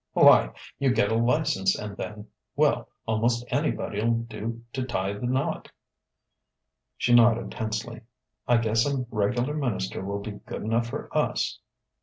"Why, you get a license and then well, almost anybody'll do to tie the knot." She nodded tensely: "I guess a regular minister will be good enough for us."